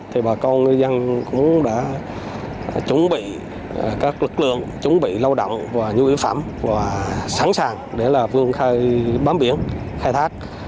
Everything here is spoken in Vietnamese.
thì bà con ngư dân cũng đã chuẩn bị các lực lượng chuẩn bị lau động và nhu yếu phẩm sẵn sàng để vương khai bám biển khai thác